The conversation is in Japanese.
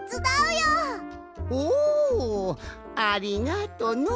おおありがとのう。